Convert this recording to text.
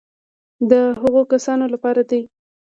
د هغو کسانو لپاره دي.